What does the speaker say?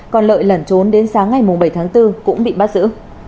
còn lợi lẩn trốn đến sáng ngày bảy tháng bốn cũng bị bắt giữ